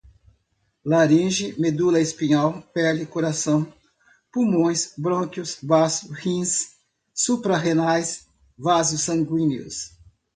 laringe, medula espinhal, pele, coração, pulmões, brônquios, baço, rins, suprarrenais, vasos sanguíneos